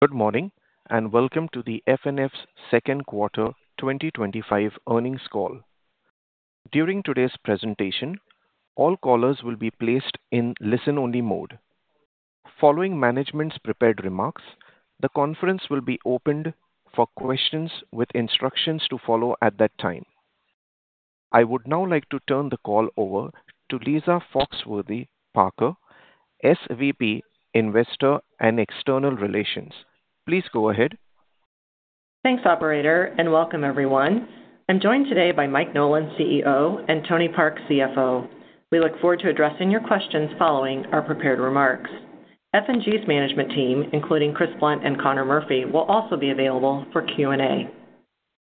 Good morning and welcome to FNF's second quarter 2025 earnings call. During today's presentation, all callers will be placed in listen-only mode. Following management's prepared remarks, the conference will be opened for questions with instructions to follow at that time. I would now like to turn the call over to Lisa Foxworthy-Parker, SVP Investor and External Relations. Please go ahead. Thanks, operator, and welcome, everyone. I'm joined today by Mike Nolan, CEO, and Tony Park, CFO. We look forward to addressing your questions following our prepared remarks. F&G's management team, including Chris Blunt and Connor Murphy, will also be available for Q&A.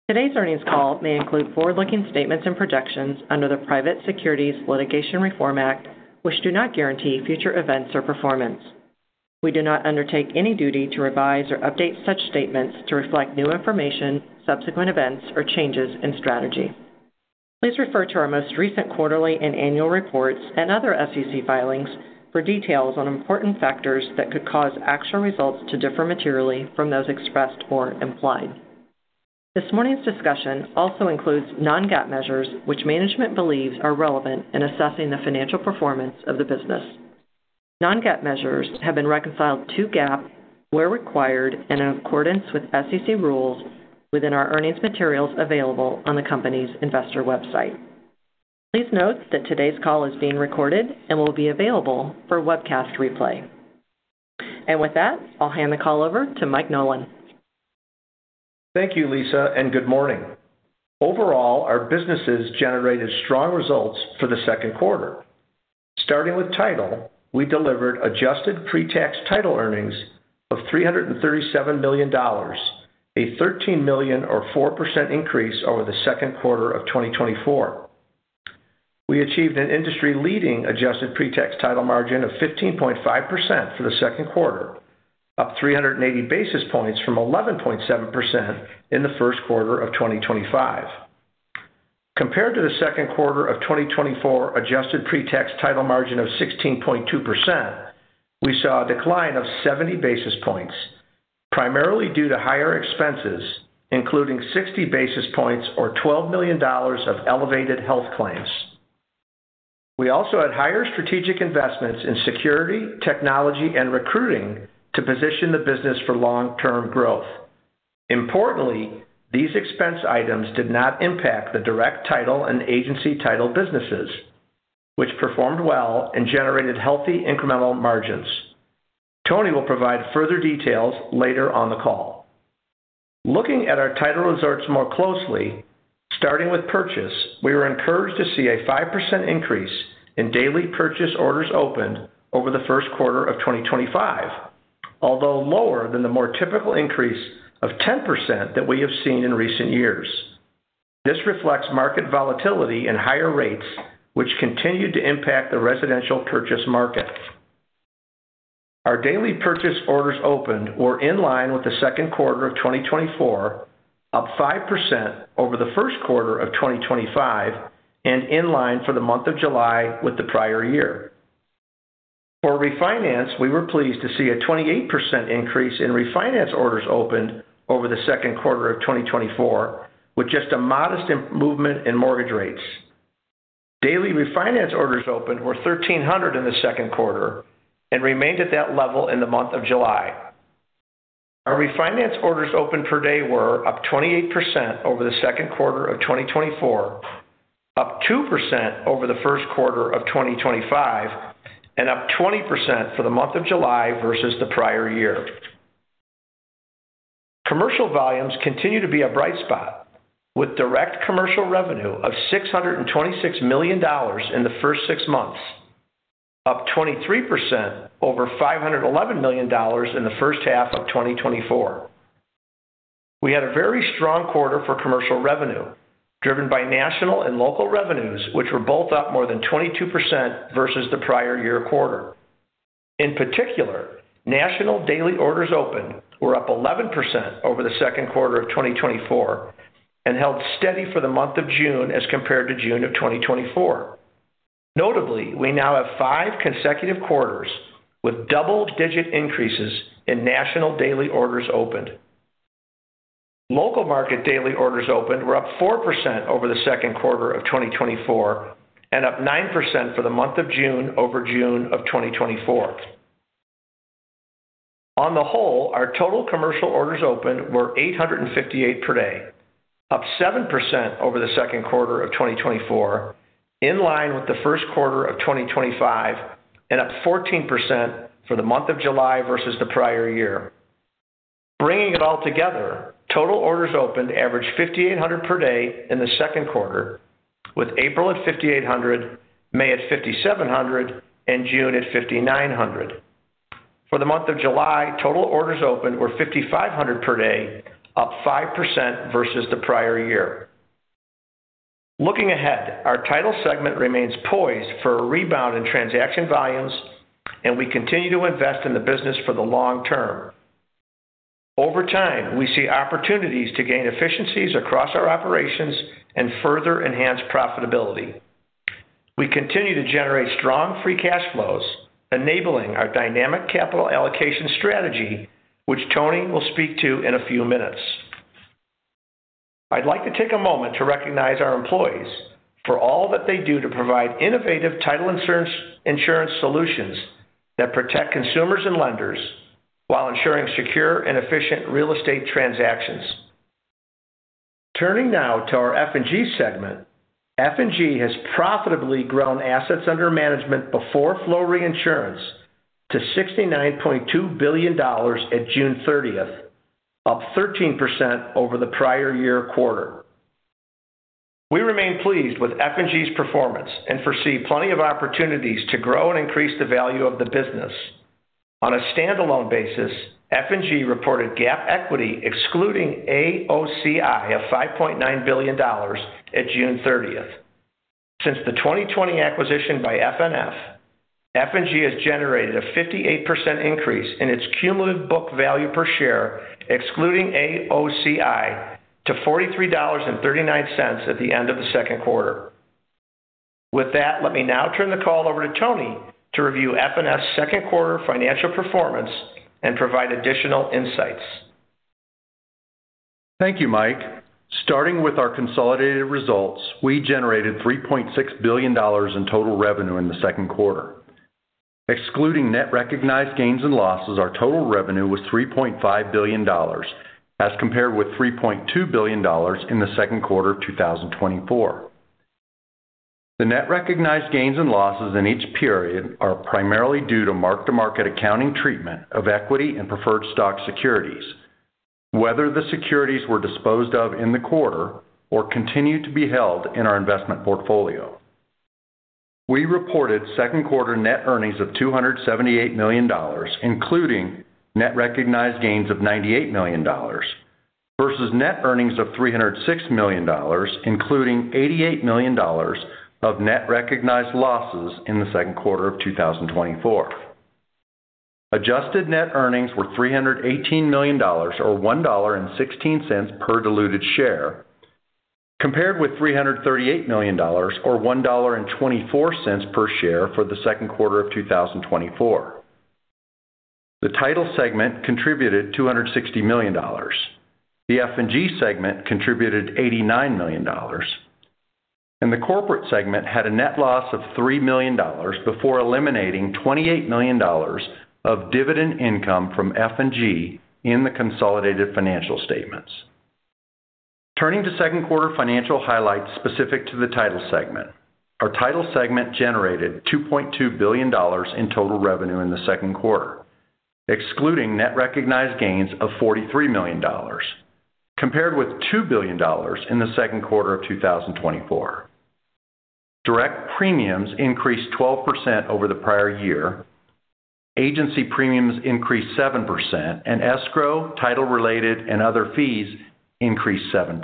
Today's earnings call may include forward-looking statements and projections under the Private Securities Litigation Reform Act, which do not guarantee future events or performance. We do not undertake any duty to revise or update such statements to reflect new information, subsequent events, or changes in strategy. Please refer to our most recent quarterly and annual reports and other SEC filings for details on important factors that could cause actual results to differ materially from those expressed or implied. This morning's discussion also includes non-GAAP measures, which management believes are relevant in assessing the financial performance of the business. Non-GAAP measures have been reconciled to GAAP where required and in accordance with SEC rules within our earnings materials available on the company's investor website. Please note that today's call is being recorded and will be available for webcast replay. With that, I'll hand the call over to Mike Nolan. Thank you, Lisa, and good morning. Overall, our businesses generated strong results for the second quarter. Starting with title, we delivered adjusted pre-tax title earnings of $337 million, a $13 million or 4% increase over the second quarter of 2024. We achieved an industry-leading adjusted pre-tax title margin of 15.5% for the second quarter, up 380 basis points from 11.7% in the first quarter of 2025. Compared to the second quarter of 2024's adjusted pre-tax title margin of 16.2%, we saw a decline of 70 basis points, primarily due to higher expenses, including 60 basis points or $12 million of elevated health claims. We also had higher strategic investments in security, technology, and recruiting to position the business for long-term growth. Importantly, these expense items did not impact the direct title and agency title businesses, which performed well and generated healthy incremental margins. Tony will provide further details later on the call. Looking at our title results more closely, starting with purchase, we were encouraged to see a 5% increase in daily purchase orders opened over the first quarter of 2025, although lower than the more typical increase of 10% that we have seen in recent years. This reflects market volatility and higher rates, which continue to impact the residential purchase market. Our daily purchase orders opened were in line with the second quarter of 2024, up 5% over the first quarter of 2025, and in line for the month of July with the prior year. For refinance, we were pleased to see a 28% increase in refinance orders opened over the second quarter of 2024, with just a modest improvement in mortgage rates. Daily refinance orders opened were 1,300 in the second quarter and remained at that level in the month of July. Our refinance orders opened per day were up 28% over the second quarter of 2024, up 2% over the first quarter of 2025, and up 20% for the month of July versus the prior year. Commercial volumes continue to be a bright spot, with direct commercial revenue of $626 million in the first six months, up 23% over $511 million in the first half of 2024. We had a very strong quarter for commercial revenue, driven by national and local revenues, which were both up more than 22% versus the prior year quarter. In particular, national daily orders opened were up 11% over the second quarter of 2024 and held steady for the month of June as compared to June of 2024. Notably, we now have five consecutive quarters with double-digit increases in national daily orders opened. Local market daily orders opened were up 4% over the second quarter of 2024 and up 9% for the month of June over June of 2024. On the whole, our total commercial orders opened were 858 per day, up 7% over the second quarter of 2024, in line with the first quarter of 2025, and up 14% for the month of July versus the prior year. Bringing it all together, total orders opened averaged $5,800 per day in the second quarter, with April at $5,800, May at $5,700, and June at $5,900. For the month of July, total orders opened were $5,500 per day, up 5% versus the prior year. Looking ahead, our title segment remains poised for a rebound in transaction volumes, and we continue to invest in the business for the long term. Over time, we see opportunities to gain efficiencies across our operations and further enhance profitability. We continue to generate strong free cash flows, enabling our dynamic capital allocation strategy, which Tony will speak to in a few minutes. I'd like to take a moment to recognize our employees for all that they do to provide innovative title insurance solutions that protect consumers and lenders while ensuring secure and efficient real estate transactions. Turning now to our F&G segment, F&G has profitably grown assets under management before flow reinsurance to $69.2 billion at June 30, up 13% over the prior year quarter. We remain pleased with F&G's performance and foresee plenty of opportunities to grow and increase the value of the business. On a standalone basis, F&G reported GAAP equity excluding AOCI of $5.9 billion at June 30. Since the 2020 acquisition by FNF, F&G has generated a 58% increase in its cumulative book value per share, excluding AOCI to $43.39 at the end of the second quarter. With that, let me now turn the call over to Tony to review FNF's second quarter financial performance and provide additional insights. Thank you, Mike. Starting with our consolidated results, we generated $3.6 billion in total revenue in the second quarter. Excluding net recognized gains and losses, our total revenue was $3.5 billion, as compared with $3.2 billion in the second quarter of 2024. The net recognized gains and losses in each period are primarily due to mark-to-market accounting treatment of equity and preferred stock securities, whether the securities were disposed of in the quarter or continue to be held in our investment portfolio. We reported second quarter net earnings of $278 million, including net recognized gains of $98 million, versus net earnings of $306 million, including $88 million of net recognized losses in the second quarter of 2024. Adjusted net earnings were $318 million or $1.16 per diluted share, compared with $338 million or $1.24 per share for the second quarter of 2024. The title segment contributed $260 million. The F&G segment contributed $89 million, and the corporate segment had a net loss of $3 million before eliminating $28 million of dividend income from F&G in the consolidated financial statements. Turning to second quarter financial highlights specific to the title segment, our title segment generated $2.2 billion in total revenue in the second quarter, excluding net recognized gains of $43 million, compared with $2 billion in the second quarter of 2024. Direct premiums increased 12% over the prior year, agency premiums increased 7%, and escrow, title-related, and other fees increased 7%.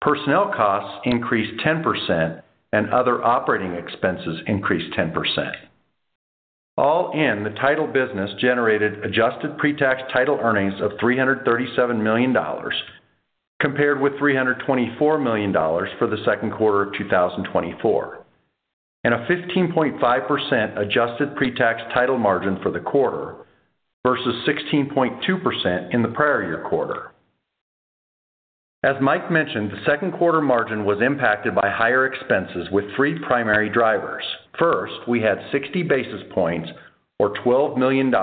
Personnel costs increased 10%, and other operating expenses increased 10%. All in, the title business generated adjusted pre-tax title earnings of $337 million, compared with $324 million for the second quarter of 2024, and a 15.5% adjusted pre-tax title margin for the quarter versus 16.2% in the prior year quarter. As Mike mentioned, the second quarter margin was impacted by higher expenses with three primary drivers. First, we had 60 basis points or $12 million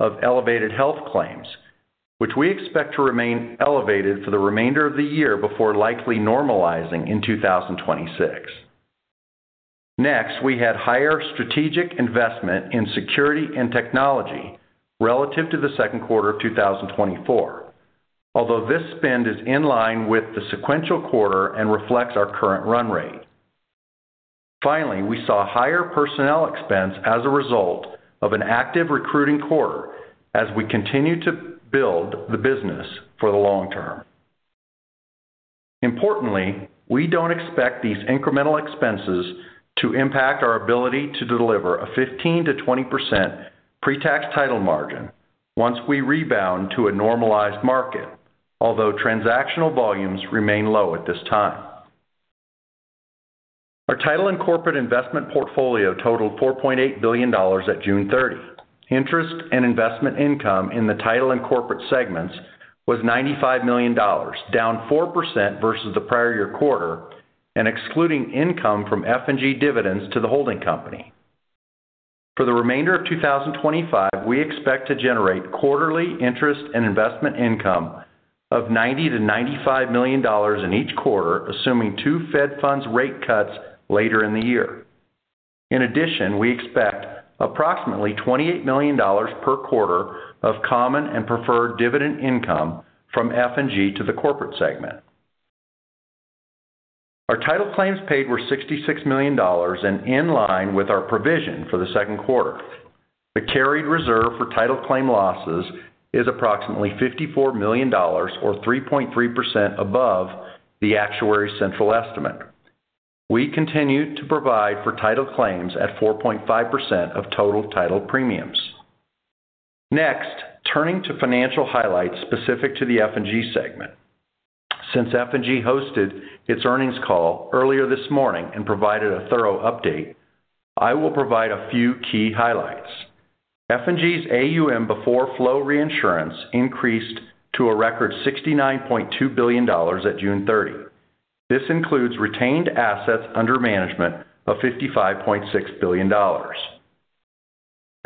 of elevated health claims, which we expect to remain elevated for the remainder of the year before likely normalizing in 2026. Next, we had higher strategic investment in security and technology relative to the second quarter of 2024, although this spend is in line with the sequential quarter and reflects our current run rate. Finally, we saw a higher personnel expense as a result of an active recruiting quarter as we continue to build the business for the long term. Importantly, we don't expect these incremental expenses to impact our ability to deliver a 15%-20% pre-tax title margin once we rebound to a normalized market, although transactional volumes remain low at this time. Our title and corporate investment portfolio totaled $4.8 billion at June 30. Interest and investment income in the title and corporate segments was $95 million, down 4% versus the prior year quarter, and excluding income from F&G dividends to the holding company. For the remainder of 2025, we expect to generate quarterly interest and investment income of $90 million-$95 million in each quarter, assuming two Fed funds rate cuts later in the year. In addition, we expect approximately $28 million per quarter of common and preferred dividend income from F&G to the corporate segment. Our title claims paid were $66 million and in line with our provision for the second quarter. The carried reserve for title claim losses is approximately $54 million or 3.3% above the actuary's central estimate. We continue to provide for title claims at 4.5% of total title premiums. Next, turning to financial highlights specific to the F&G segment. Since F&G hosted its earnings call earlier this morning and provided a thorough update, I will provide a few key highlights. F&G's AUM before flow reinsurance increased to a record $69.2 billion at June 30. This includes retained assets under management of $55.6 billion.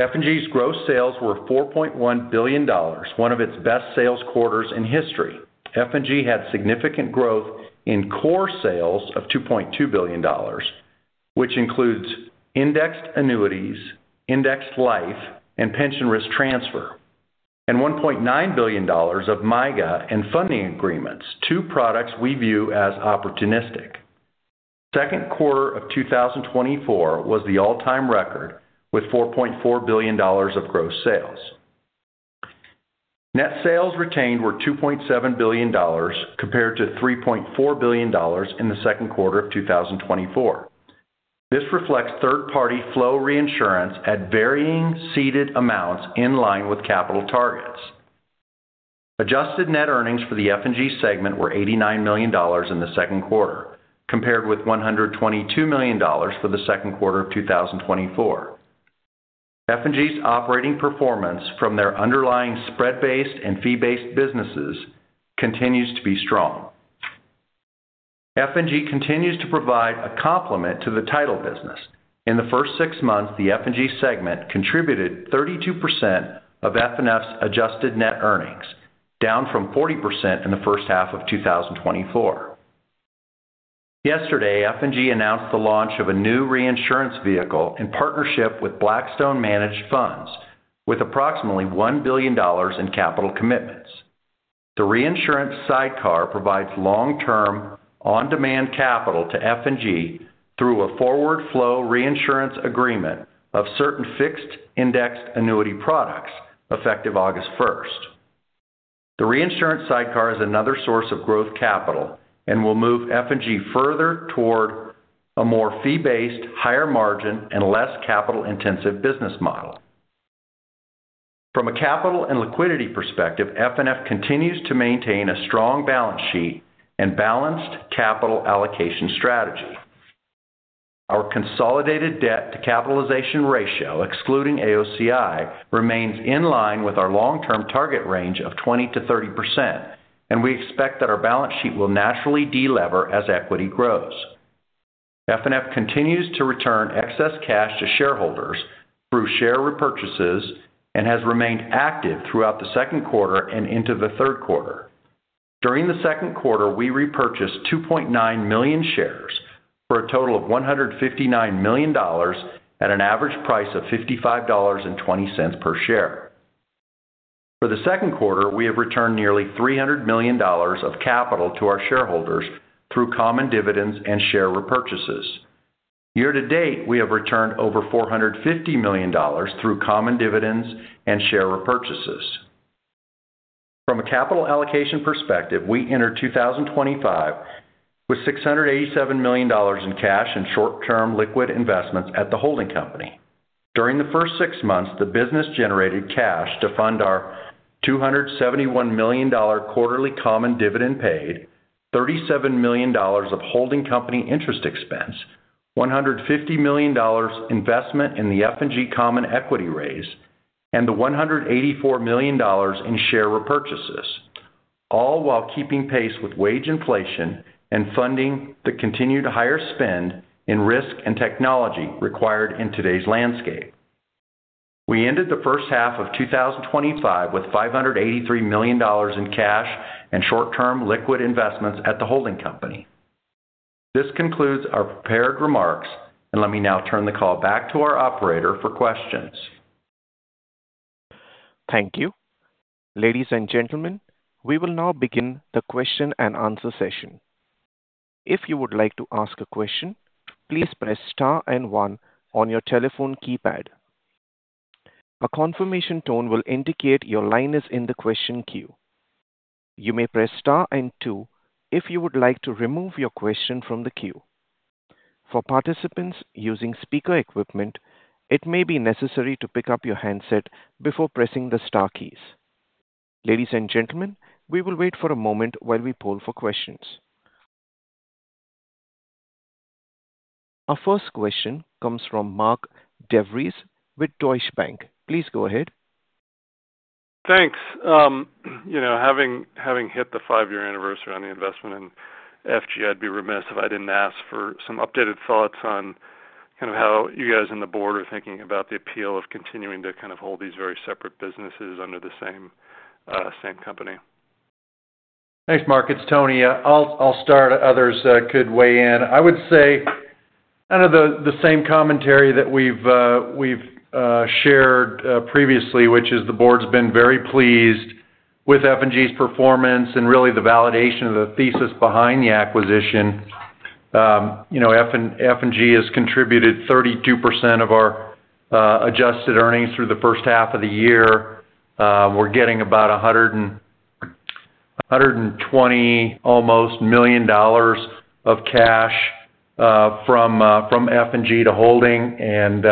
F&G's gross sales were $4.1 billion, one of its best sales quarters in history. F&G had significant growth in core sales of $2.2 billion, which includes indexed annuities, indexed life, and pension risk transfer, and $1.9 billion of MIGA and funding agreements, two products we view as opportunistic. The second quarter of 2024 was the all-time record with $4.4 billion of gross sales. Net sales retained were $2.7 billion, compared to $3.4 billion in the second quarter of 2024. This reflects third-party flow reinsurance at varying ceded amounts in line with capital targets. Adjusted net earnings for the F&G segment were $89 million in the second quarter, compared with $122 million for the second quarter of 2024. F&G's operating performance from their underlying spread-based and fee-based businesses continues to be strong. F&G continues to provide a complement to the title business. In the first six months, the F&G segment contributed 32% of FNF's adjusted net earnings, down from 40% in the first half of 2024. Yesterday, F&G announced the launch of a new reinsurance vehicle in partnership with Blackstone Managed Funds, with approximately $1 billion in capital commitments. The reinsurance sidecar provides long-term on-demand capital to F&G through a forward flow reinsurance agreement of certain fixed indexed annuity products effective August 1. The reinsurance sidecar is another source of growth capital and will move F&G further toward a more fee-based, higher margin, and less capital-intensive business model. From a capital and liquidity perspective, FNF continues to maintain a strong balance sheet and balanced capital allocation strategy. Our consolidated debt-to-capitalization ratio, excluding AOCI, remains in line with our long-term target range of 20%-30%, and we expect that our balance sheet will naturally de-lever as equity grows. FNF continues to return excess cash to shareholders through share repurchases and has remained active throughout the second quarter and into the third quarter. During the second quarter, we repurchased 2.9 million shares for a total of $159 million at an average price of $55.20 per share. For the second quarter, we have returned nearly $300 million of capital to our shareholders through common dividends and share repurchases. Year to date, we have returned over $450 million through common dividends and share repurchases. From a capital allocation perspective, we enter 2025 with $687 million in cash and short-term liquid investments at the holding company. During the first six months, the business generated cash to fund our $271 million quarterly common dividend paid, $37 million of holding company interest expense, $150 million investment in the F&G common equity raise, and the $184 million in share repurchases, all while keeping pace with wage inflation and funding the continued higher spend in risk and technology required in today's landscape. We ended the first half of 2025 with $583 million in cash and short-term liquid investments at the holding company. This concludes our prepared remarks, and let me now turn the call back to our operator for questions. Thank you. Ladies and gentlemen, we will now begin the question and answer session. If you would like to ask a question, please press star and one on your telephone keypad. A confirmation tone will indicate your line is in the question queue. You may press star and two if you would like to remove your question from the queue. For participants using speaker equipment, it may be necessary to pick up your handset before pressing the star keys. Ladies and gentlemen, we will wait for a moment while we poll for questions. Our first question comes from Mark DeVries with Deutsche Bank. Please go ahead. Thanks. You know, having hit the five-year anniversary on the investment in F&G, I'd be remiss if I didn't ask for some updated thoughts on how you guys and the board are thinking about the appeal of continuing to hold these very separate businesses under the same company. Thanks, Mark. It's Tony. I'll start. Others could weigh in. I would say kind of the same commentary that we've shared previously, which is the board's been very pleased with F&G's performance and really the validation of the thesis behind the acquisition. F&G has contributed 32% of our adjusted earnings through the first half of the year. We're getting about $120 million of cash from F&G to holding, and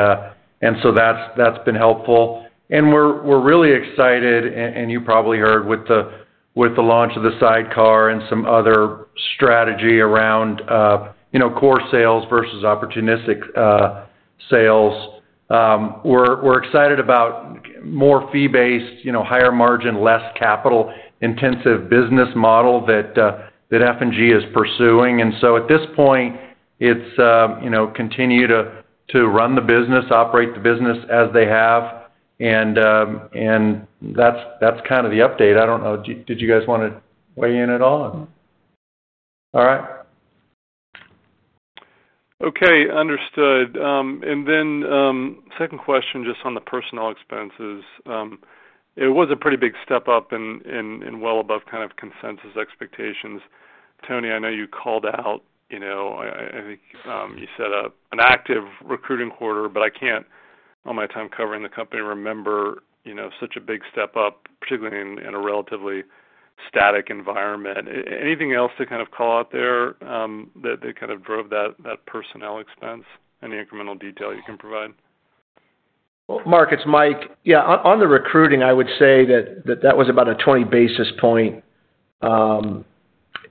that's been helpful. We're really excited, and you probably heard with the launch of the reinsurance sidecar and some other strategy around core sales versus opportunistic sales. We're excited about more fee-based, higher margin, less capital-intensive business model that F&G is pursuing. At this point, it's continue to run the business, operate the business as they have, and that's kind of the update. Did you guys want to weigh in at all? All right. Okay, understood. Second question, just on the personnel expenses. It was a pretty big step up and well above kind of consensus expectations. Tony, I know you called out, you know, I think you said an active recruiting quarter, but I can't, on my time covering the company, remember, you know, such a big step up, particularly in a relatively static environment. Anything else to kind of call out there that kind of drove that personnel expense? Any incremental detail you can provide? Mark, it's Mike. On the recruiting, I would say that was about a 20 basis point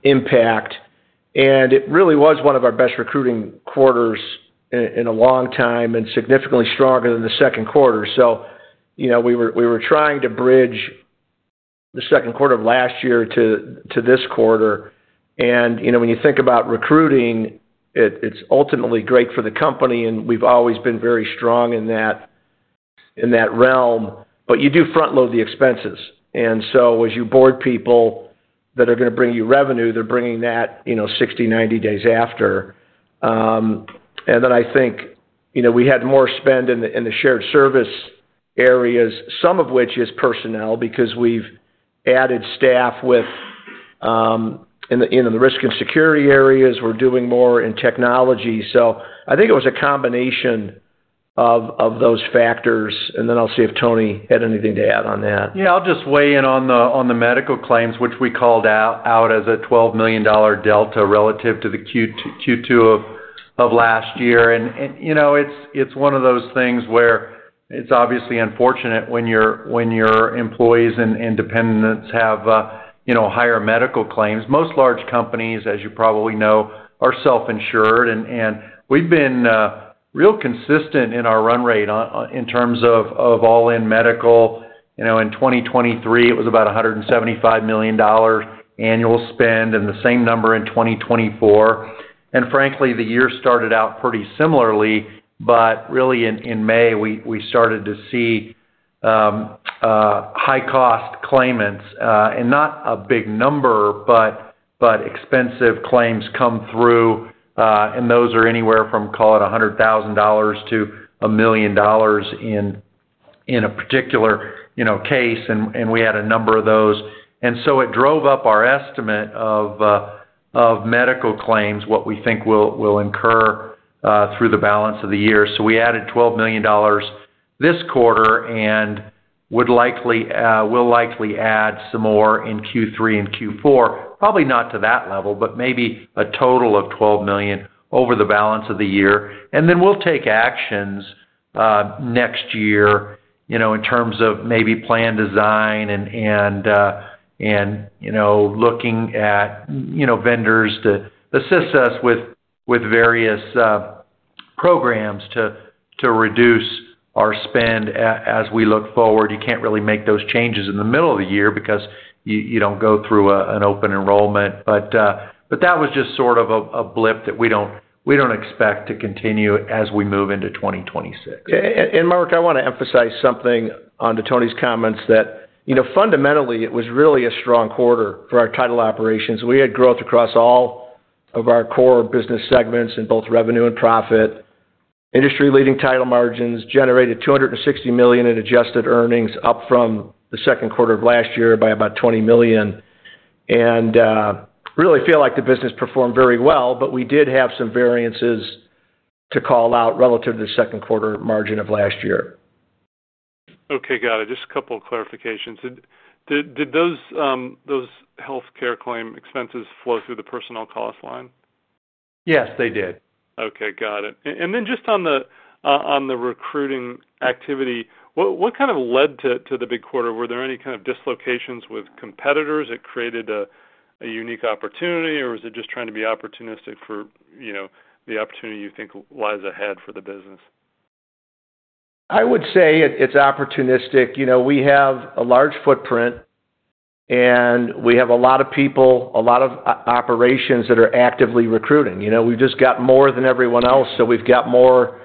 impact, and it really was one of our best recruiting quarters in a long time and significantly stronger than the second quarter. We were trying to bridge the second quarter of last year to this quarter, and when you think about recruiting, it's ultimately great for the company, and we've always been very strong in that realm, but you do front-load the expenses. As you board people that are going to bring you revenue, they're bringing that 60, 90 days after. I think we had more spend in the shared service areas, some of which is personnel because we've added staff with the risk and security areas. We're doing more in technology. I think it was a combination of those factors, and I'll see if Tony had anything to add on that. I'll just weigh in on the medical claims, which we called out as a $12 million delta relative to Q2 of last year. It's one of those things where it's obviously unfortunate when your employees and dependents have higher medical claims. Most large companies, as you probably know, are self-insured, and we've been real consistent in our run rate in terms of all-in medical. In 2023, it was about $175 million annual spend and the same number in 2024. Frankly, the year started out pretty similarly, but in May, we started to see high-cost claimants and not a big number, but expensive claims come through, and those are anywhere from, call it, $100,000 to $1 million in a particular case, and we had a number of those. It drove up our estimate of medical claims, what we think we'll incur through the balance of the year. We added $12 million this quarter and will likely add some more in Q3 and Q4, probably not to that level, but maybe a total of $12 million over the balance of the year. We'll take actions next year in terms of maybe plan design and looking at vendors to assist us with various programs to reduce our spend as we look forward. You can't really make those changes in the middle of the year because you don't go through an open enrollment, but that was just sort of a blip that we don't expect to continue as we move into 2026. Mark, I want to emphasize something onto Tony's comments that, you know, fundamentally, it was really a strong quarter for our title operations. We had growth across all of our core business segments in both revenue and profit. Industry-leading title margins generated $260 million in adjusted earnings, up from the second quarter of last year by about $20 million. I really feel like the business performed very well, but we did have some variances to call out relative to the second quarter margin of last year. Okay, got it. Just a couple of clarifications. Did those healthcare claim expenses flow through the personnel cost line? Yes, they did. Okay, got it. Just on the recruiting activity, what kind of led to the big quarter? Were there any kind of dislocations with competitors that created a unique opportunity, or was it just trying to be opportunistic for the opportunity you think lies ahead for the business? I would say it's opportunistic. We have a large footprint, and we have a lot of people, a lot of operations that are actively recruiting. We've just got more than everyone else, so we've got more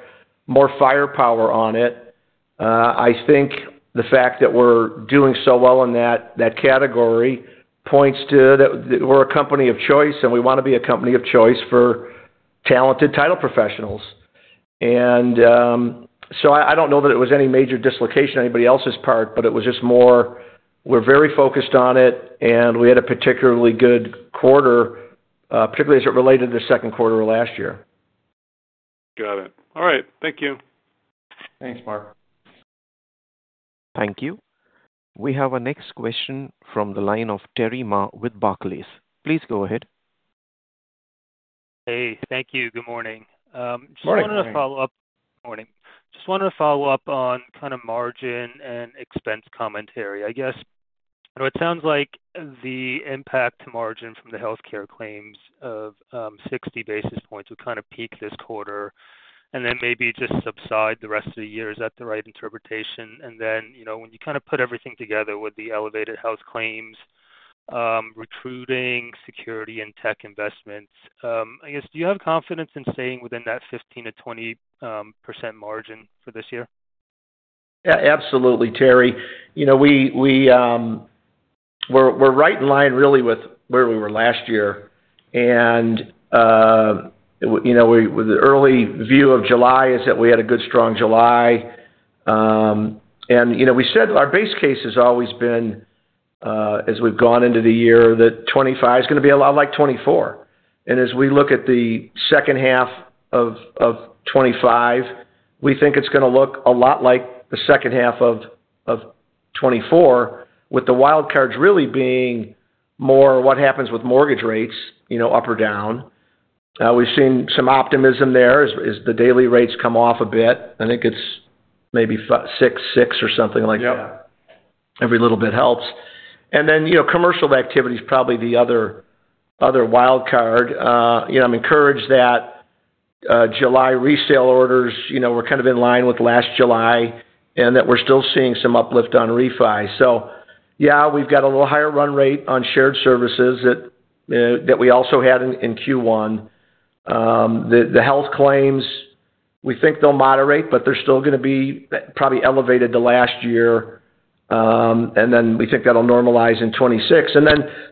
firepower on it. I think the fact that we're doing so well in that category points to that we're a company of choice, and we want to be a company of choice for talented title professionals. I don't know that it was any major dislocation on anybody else's part, it was just more we're very focused on it, and we had a particularly good quarter, particularly as it related to the second quarter of last year. Got it. All right. Thank you. Thanks, Mark. Thank you. We have a next question from the line of Terry Ma with Barclays. Please go ahead. Hey, thank you. Good morning. Just wanted to follow up. Just wanted to follow up on kind of margin and expense commentary. I guess, you know, it sounds like the impact to margin from the healthcare claims of 60 basis points would kind of peak this quarter and then maybe just subside the rest of the year. Is that the right interpretation? When you kind of put everything together with the elevated health claims, recruiting, security, and tech investments, I guess, do you have confidence in staying within that 15%-20% margin for this year? Yeah, absolutely, Terry. We're right in line really with where we were last year. The early view of July is that we had a good strong July. We said our base case has always been, as we've gone into the year, that 2025 is going to be a lot like 2024. As we look at the second half of 2025, we think it's going to look a lot like the second half of 2024, with the wildcards really being more what happens with mortgage rates, up or down. We've seen some optimism there as the daily rates come off a bit. I think it's maybe 6.6% or something like that. Every little bit helps. Commercial activity is probably the other wildcard. I'm encouraged that July resale orders were kind of in line with last July and that we're still seeing some uplift on refi. We've got a little higher run rate on shared services that we also had in Q1. The health claims, we think they'll moderate, but they're still going to be probably elevated to last year. We think that'll normalize in 2026.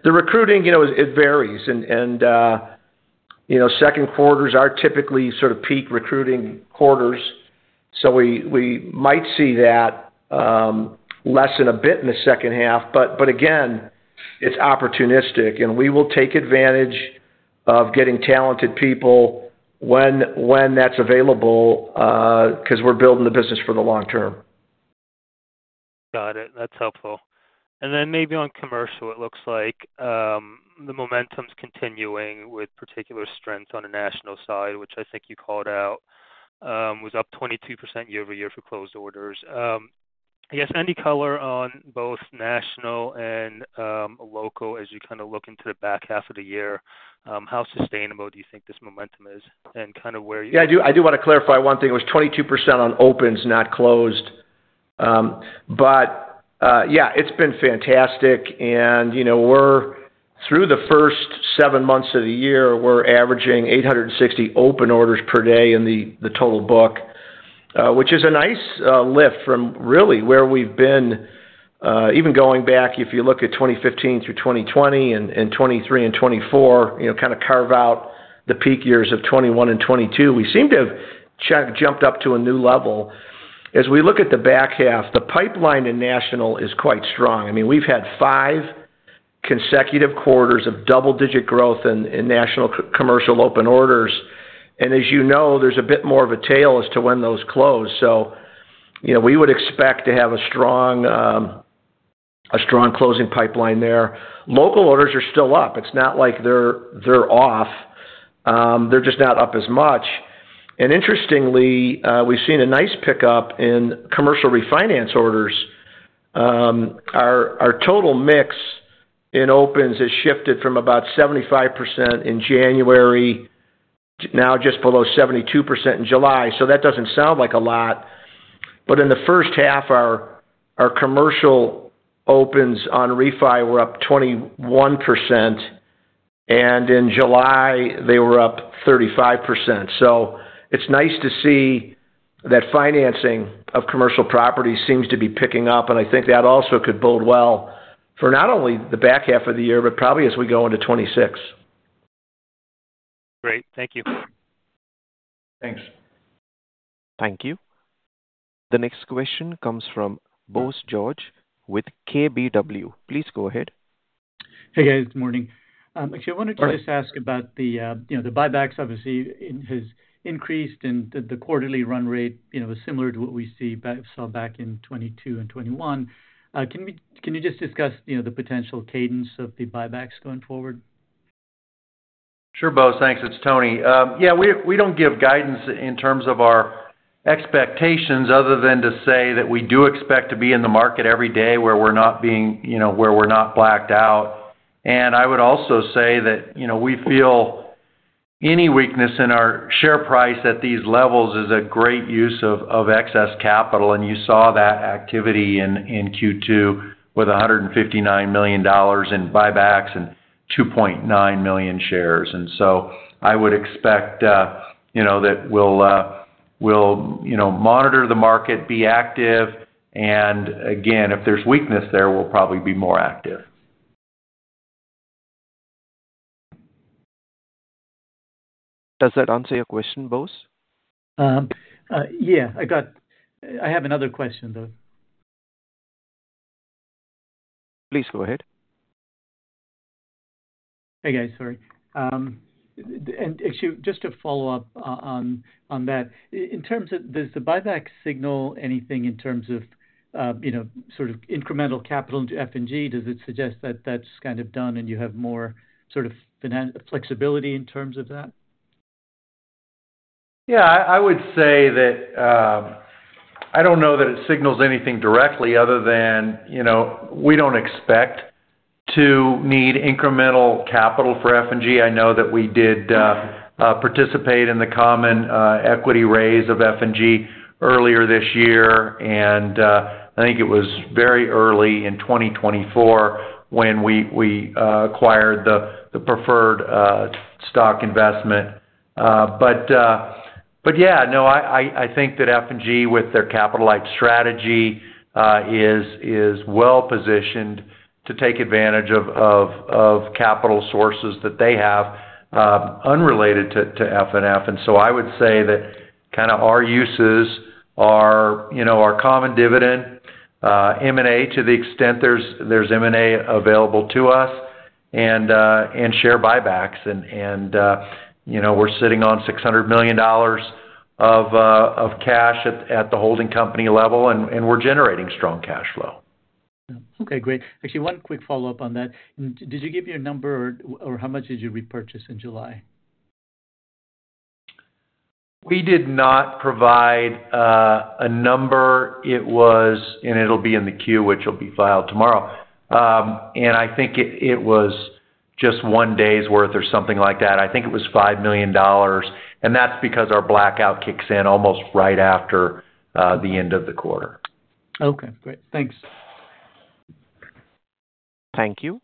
The recruiting varies. Second quarters are typically sort of peak recruiting quarters. We might see that lessen a bit in the second half. Again, it's opportunistic, and we will take advantage of getting talented people when that's available because we're building the business for the long term. Got it. That's helpful. Maybe on commercial, it looks like the momentum's continuing with particular strength on the national side, which I think you called out was up 22% year-over-year for closed orders. I guess any color on both national and local as you kind of look into the back half of the year, how sustainable do you think this momentum is and kind of where you're? Yeah, I do want to clarify one thing. It was 22% on opens, not closed. It's been fantastic. We're through the first seven months of the year, we're averaging 860 open orders per day in the total book, which is a nice lift from really where we've been. Even going back, if you look at 2015 through 2020 and 2023 and 2024, kind of carve out the peak years of 2021 and 2022, we seem to have jumped up to a new level. As we look at the back half, the pipeline in national is quite strong. We've had five consecutive quarters of double-digit growth in national commercial open orders. As you know, there's a bit more of a tail as to when those close. We would expect to have a strong closing pipeline there. Local orders are still up. It's not like they're off. They're just not up as much. Interestingly, we've seen a nice pickup in commercial refinance orders. Our total mix in opens has shifted from about 75% in January, now just below 72% in July. That doesn't sound like a lot. In the first half, our commercial opens on refi were up 21%. In July, they were up 35%. It's nice to see that financing of commercial properties seems to be picking up. I think that also could bode well for not only the back half of the year, but probably as we go into 2026. Great. Thank you. Thanks. Thank you. The next question comes from Bose George with KBW. Please go ahead. Hey guys, good morning. I wanted to just ask about the buybacks. Obviously, it has increased and the quarterly run rate is similar to what we saw back in 2022 and 2021. Can you just discuss the potential cadence of the buybacks going forward? Sure, Bose. Thanks. It's Tony. Yeah, we don't give guidance in terms of our expectations other than to say that we do expect to be in the market every day where we're not being, you know, where we're not blacked out. I would also say that we feel any weakness in our share price at these levels is a great use of excess capital. You saw that activity in Q2 with $159 million in buybacks and 2.9 million shares. I would expect that we'll monitor the market, be active, and again, if there's weakness there, we'll probably be more active. Does that answer your question, Bose? I have another question though. Please go ahead. Sorry, just to follow up on that, in terms of, does the buyback signal anything in terms of, you know, sort of incremental capital into F&G? Does it suggest that that's kind of done and you have more sort of flexibility in terms of that? Yeah, I would say that I don't know that it signals anything directly other than, you know, we don't expect to need incremental capital for F&G. I know that we did participate in the common equity raise of F&G earlier this year, and I think it was very early in 2024 when we acquired the preferred stock investment. Yeah, no, I think that F&G, with their capital-light strategy, is well positioned to take advantage of capital sources that they have unrelated to FNF. I would say that kind of our uses are, you know, our common dividend, M&A to the extent there's M&A available to us, and share buybacks. You know, we're sitting on $600 million of cash at the holding company level, and we're generating strong cash flow. Okay, great. Actually, one quick follow-up on that. Did you give your number or how much did you repurchase in July? We did not provide a number. It was, and it'll be in the queue, which will be filed tomorrow. I think it was just one day's worth or something like that. I think it was $5 million. That's because our blackout kicks in almost right after the end of the quarter. Okay, great. Thanks. Thank you.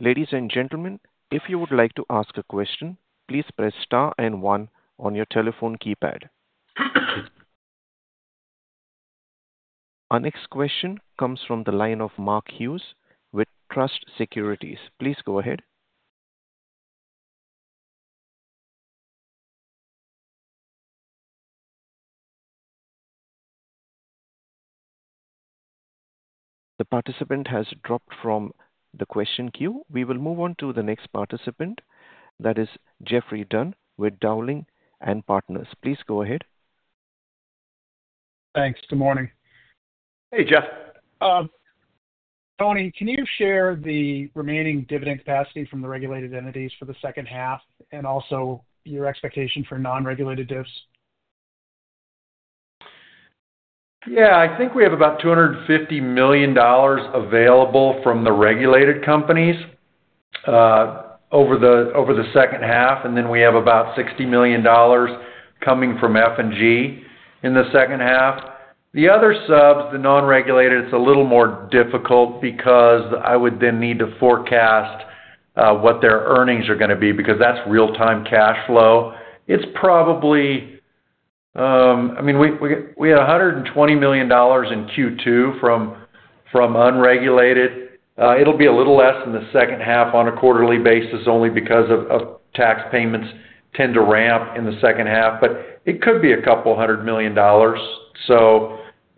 Ladies and gentlemen, if you would like to ask a question, please press star and one on your telephone keypad. Our next question comes from the line of Mark Hughes with Truist Securities. Please go ahead. The participant has dropped from the question queue. We will move on to the next participant. That is Geoffrey Dunn with Dowling & Partners. Please go ahead. Thanks. Good morning. Hey, Geoff. Tony, can you share the remaining dividend capacity from the regulated entities for the second half, and also your expectation for non-regulated divs? Yeah, I think we have about $250 million available from the regulated companies over the second half, and then we have about $60 million coming from F&G in the second half. The other subs, the non-regulated, it's a little more difficult because I would then need to forecast what their earnings are going to be because that's real-time cash flow. We have $120 million in Q2 from unregulated. It'll be a little less in the second half on a quarterly basis only because tax payments tend to ramp in the second half, but it could be a couple hundred million dollars.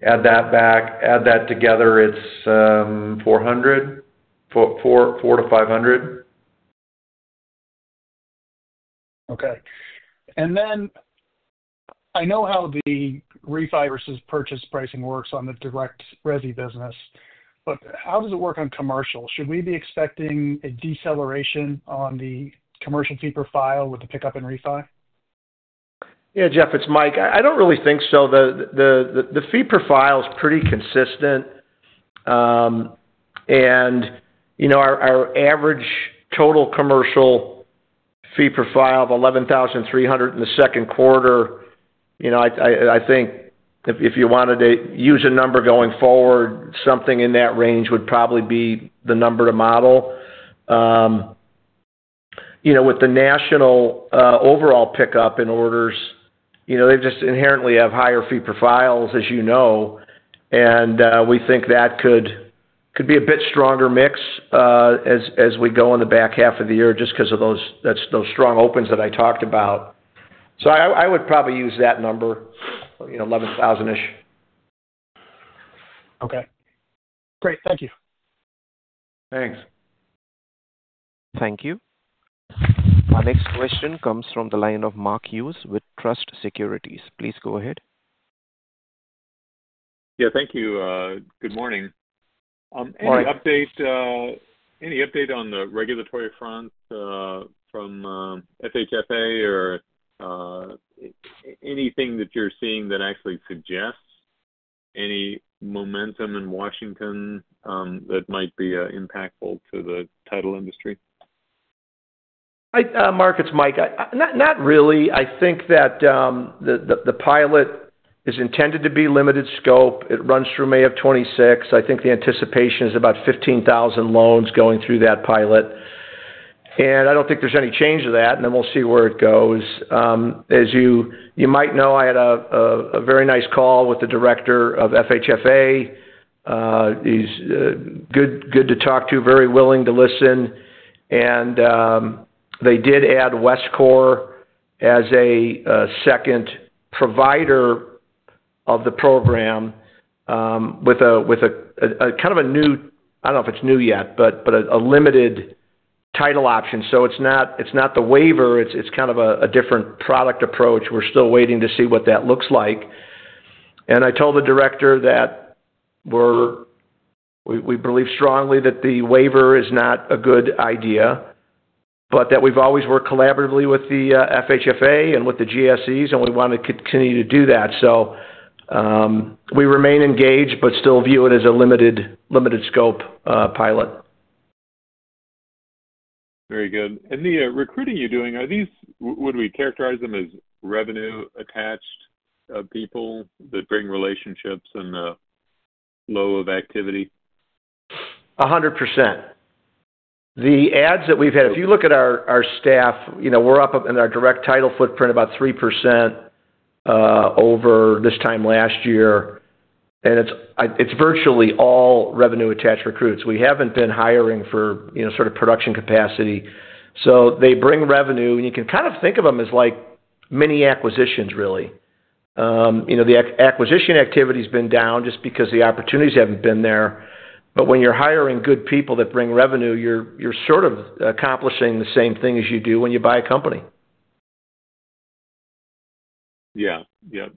Add that together, it's $400 million, $400 million-$500 million. Okay. I know how the refi versus purchase pricing works on the direct resi business, but how does it work on commercial? Should we be expecting a deceleration on the commercial fee profile with the pickup in refi? Yeah, Geoff, it's Mike. I don't really think so. The fee profile is pretty consistent. Our average total commercial fee profile of $11,300 in the second quarter, I think if you wanted to use a number going forward, something in that range would probably be the number to model. With the national overall pickup in orders, they just inherently have higher fee profiles, as you know, and we think that could be a bit stronger mix as we go in the back half of the year just because of those strong opens that I talked about. I would probably use that number, $11,000-ish. Okay, great. Thank you. Thanks. Thank you. Our next question comes from the line of Mark Hughes with Truist Securities. Please go ahead. Yeah, thank you. Good morning. Any update on the regulatory front from FHFA or anything that you're seeing that actually suggests any momentum in Washington that might be impactful to the title industry? Mark, it's Mike. Not really. I think that the pilot is intended to be limited scope. It runs through May of 2026. I think the anticipation is about 15,000 loans going through that pilot. I don't think there's any change to that, and then we'll see where it goes. As you might know, I had a very nice call with the Director of FHFA. He's good to talk to, very willing to listen. They did add WestCore as a second provider of the program with a kind of a new, I don't know if it's new yet, but a limited title option. It's not the waiver. It's kind of a different product approach. We're still waiting to see what that looks like. I told the Director that we believe strongly that the waiver is not a good idea, but that we've always worked collaboratively with the FHFA and with the GSEs, and we want to continue to do that. We remain engaged, but still view it as a limited scope pilot. Very good. The recruiting you're doing, are these, would we characterize them as revenue-attached people that bring relationships and flow of activity? 100%. The ads that we've had, if you look at our staff, we're up in our direct title footprint about 3% over this time last year. It's virtually all revenue-attached recruits. We haven't been hiring for production capacity. They bring revenue, and you can kind of think of them as like mini acquisitions, really. The acquisition activity has been down just because the opportunities haven't been there. When you're hiring good people that bring revenue, you're sort of accomplishing the same thing as you do when you buy a company. Yeah,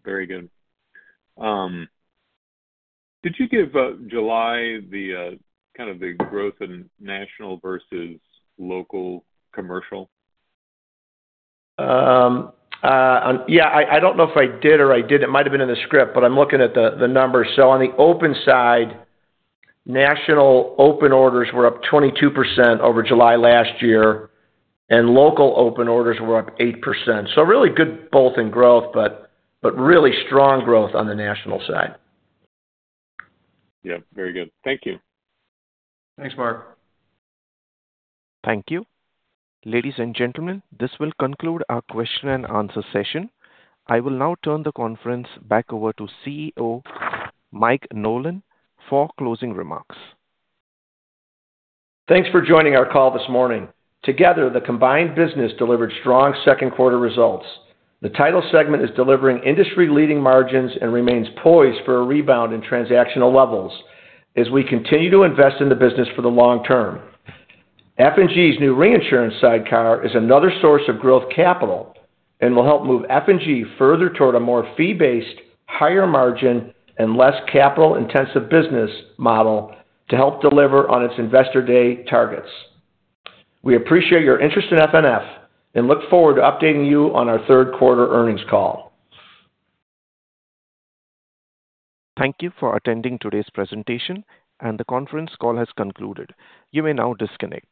very good. Did you give July the kind of the growth in national versus local commercial? I don't know if I did or I didn't. It might have been in the script, but I'm looking at the numbers. On the open side, national open orders were up 22% over July last year, and local open orders were up 8%. Really good both in growth, but really strong growth on the national side. Yeah, very good. Thank you. Thanks, Mark. Thank you. Ladies and gentlemen, this will conclude our question and answer session. I will now turn the conference back over to CEO Mike Nolan for closing remarks. Thanks for joining our call this morning. Together, the combined business delivered strong second-quarter results. The title segment is delivering industry-leading margins and remains poised for a rebound in transactional levels as we continue to invest in the business for the long term. F&G's new reinsurance sidecar is another source of growth capital and will help move F&G further toward a more fee-based, higher margin, and less capital-intensive business model to help deliver on its investor day targets. We appreciate your interest in FNF and look forward to updating you on our third quarter earnings call. Thank you for attending today's presentation, and the conference call has concluded. You may now disconnect.